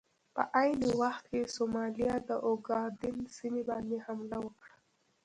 په عین وخت کې سومالیا د اوګادن سیمې باندې حمله وکړه.